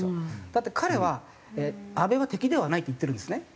だって彼は「安倍は敵ではない」って言ってるんですね。